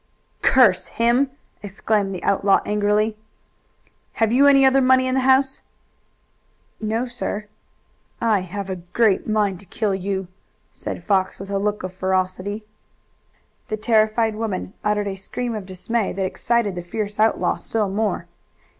"Curse him!" exclaimed the outlaw angrily. "Have you any other money in the house?" "No, sir." "I have a great mind to kill you!" said Fox, with a look of ferocity. The terrified woman uttered a scream of dismay that excited the fierce outlaw still more.